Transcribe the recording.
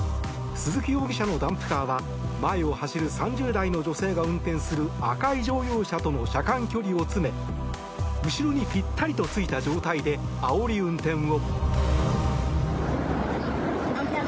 鈴木容疑者のダンプカーは前を走る３０代の女性が運転する赤い乗用車との車間距離を詰め後ろにぴったりとついた状態であおり運転を。